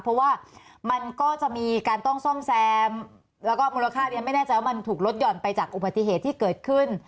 เพราะว่ามันก็จะมีการต้องซ่อมแซมแล้วก็มูลค่าเรียนไม่แน่ใจว่ามันถูกลดหย่อนไปจากอุบัติเหตุที่เกิดขึ้น